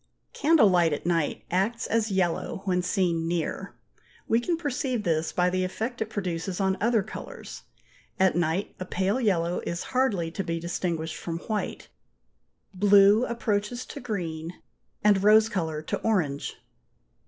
Candle light at night acts as yellow when seen near; we can perceive this by the effect it produces on other colours. At night a pale yellow is hardly to be distinguished from white; blue approaches to green, and rose colour to orange.